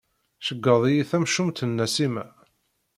Tceggeḍ-iyi temcucmt n Nasima.